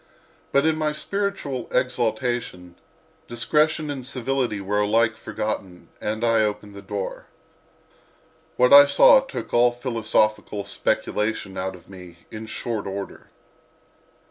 But in my spiritual exaltation, discretion and civility were alike forgotten and I opened the door. What I saw took all philosophical speculation out of me in short order.